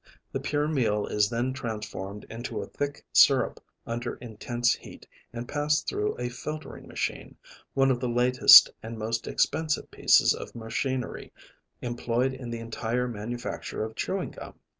The pure meal is then transformed into a thick syrup under intense heat and passed through a filtering machine, one of the latest and most expensive pieces of machinery employed in the entire manufacture of chewing gum.